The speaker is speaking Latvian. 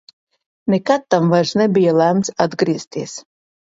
Nekad tam vairs nebija lemts atgriezties.